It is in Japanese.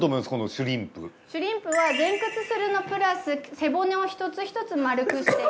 シュリンプは前屈するのプラス背骨を１つ１つ丸くして。